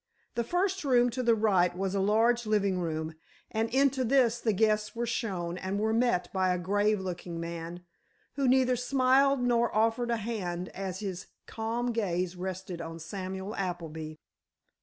The first room to the right was a large living room, and into this the guests were shown and were met by a grave looking man, who neither smiled nor offered a hand as his calm gaze rested on Samuel Appleby.